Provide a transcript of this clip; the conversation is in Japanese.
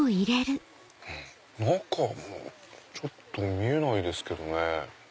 中もちょっと見えないですけどね。